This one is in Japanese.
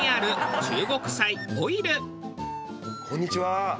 こんにちは。